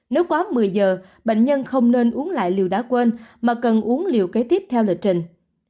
nếu quá một mươi giờ bệnh nhân không nên uống lại lưu đã quên mà cần uống lưu kế tiếp theo lệ trình